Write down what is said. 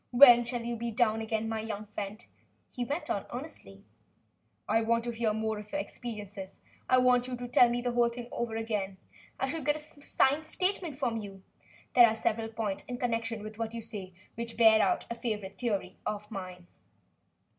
"When shall you be down again, my young friend?" he went on earnestly. "I want to hear more of your experiences. I want you to tell me the whole thing over again. I should like to get a signed statement from you. There are several points in connection with what you say, which bear out a favorite theory of mine."